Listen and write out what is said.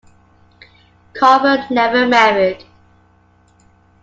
Carver never married.